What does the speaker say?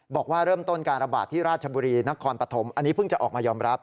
บอกว่าเริ่มต้นการระบาดที่ราชบุรีนครปฐมอันนี้เพิ่งจะออกมายอมรับ